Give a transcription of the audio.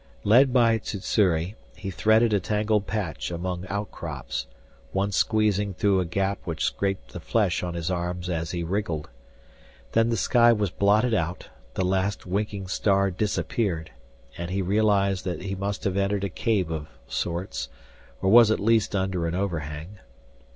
Led by Sssuri, he threaded a tangled patch among outcrops, once squeezing through a gap which scraped the flesh on his arms as he wriggled. Then the sky was blotted out, the last winking star disappeared, and he realized that he must have entered a cave of sorts, or was at least under an overhang.